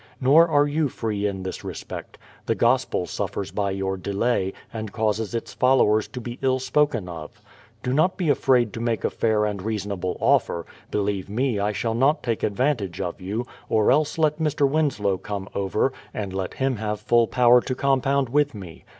Nor are you free in this respect. The gospel suffers by your delay, and causes its followers to be ill spoken of. ... Do not be afraid to make a fair and reasonable offer ; beheve me I shall not take advantage of you; or else let ]\Ir. Winslow come over, and let him have full power to compound with me.